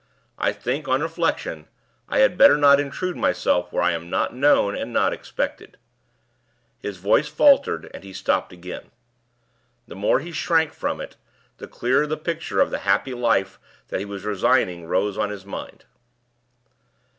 I think, on reflection, I had better not intrude myself where I am not known and not expected." His voice faltered, and he stopped again. The more he shrank from it, the clearer the picture of the happy life that he was resigning rose on his mind.